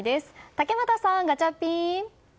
竹俣さん、ガチャピン！